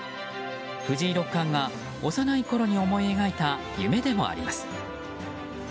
藤井六冠が幼いころに思い描いた夢でもあります。